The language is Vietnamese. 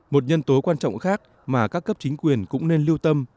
một nhân tố quan trọng khác mà các cấp chính quyền cũng nên lưu tâm